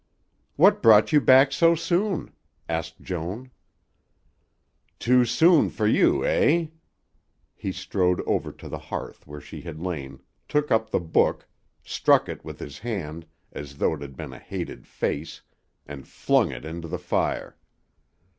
"What brought you back so soon?" asked Joan. "Too soon fer you, eh?" He strode over to the hearth where she had lain, took up the book, struck it with his hand as though it had been a hated face, and flung it into the fire.